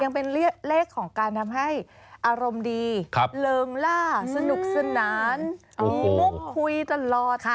ยังเป็นเลขของการทำให้อารมณ์ดีเริงล่าสนุกสนานมีมุกคุยตลอด